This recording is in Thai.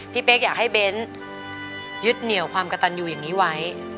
เป๊กอยากให้เบ้นยึดเหนียวความกระตันอยู่อย่างนี้ไว้